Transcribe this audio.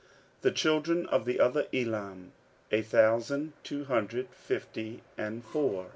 16:007:034 The children of the other Elam, a thousand two hundred fifty and four.